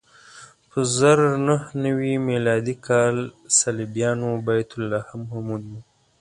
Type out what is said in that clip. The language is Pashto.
په زر نهه نوې میلادي کال صلیبیانو بیت لحم هم ونیو.